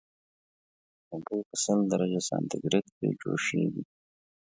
اوبه په سل درجه سانتي ګریډ کې جوشیږي